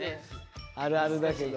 あるあるだけど。